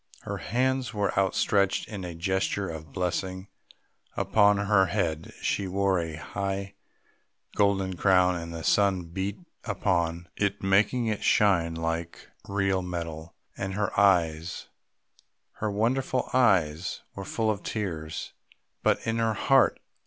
Her hands were outstretched in a gesture of blessing; upon her head she wore a high golden crown, and the sun beat upon it making it shine like real metal; and her eyes, her wonderful eyes, were full of tears.... But in her heart....